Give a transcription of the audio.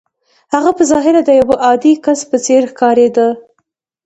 هغه په ظاهره د يوه عادي کس په څېر ښکارېده.